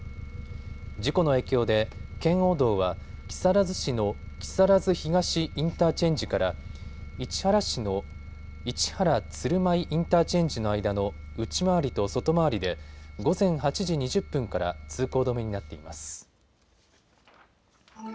事故の影響で圏央道は木更津市の木更津東インターチェンジから市原市の市原鶴舞インターチェンジの間の内回りと外回りで午前８時２０分から通行止めになっています。